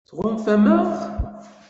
Tɣunfam-aɣ?